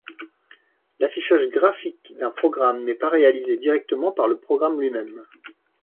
L'affichage graphique d'un programme n'est pas réalisé directement par le programme lui-même.